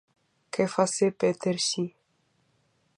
Que face Peter ci?